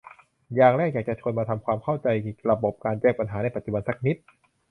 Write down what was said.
อย่างแรกอยากจะชวนมาทำความเข้าใจระบบการแจ้งปัญหาในปัจจุบันสักนิด